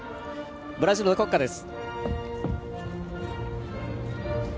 ブラジルの国歌です。